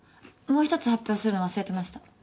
もう一つ発表するの忘れてました。